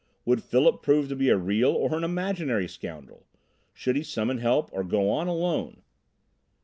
Would Philip prove to be a real or an imaginary scoundrel? Should he summon help, or go on alone?